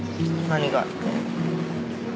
何がって。